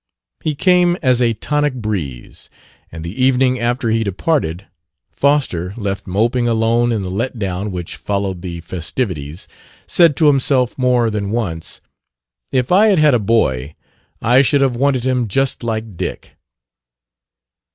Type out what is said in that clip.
He came as a tonic breeze; and the evening after he departed, Foster, left moping alone in the let down which followed the festivities, said to himself more than once, "If I had had a boy, I should have wanted him just like Dick."